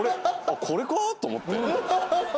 これか？と思って。